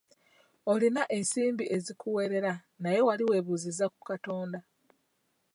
Olina ensimbi ezikuweerera naye wali weebazizza ku Katonda?